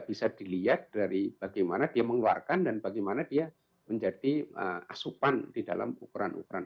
bisa dilihat dari bagaimana dia mengeluarkan dan bagaimana dia menjadi asupan di dalam ukuran ukuran